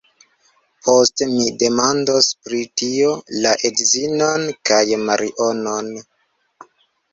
Poste mi demandos pri tio la edzinon kaj Marionon.